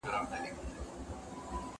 که وخت وي، کتابونه وړم!!